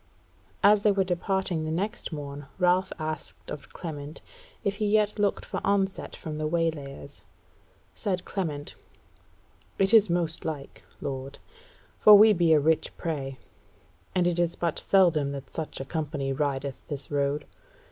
As they were departing the next morn Ralph asked of Clement if he yet looked for onset from the waylayers. Said Clement: "It is most like, lord; for we be a rich prey, and it is but seldom that such a company rideth this road.